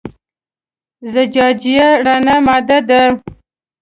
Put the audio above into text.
زجاجیه رڼه ماده ده.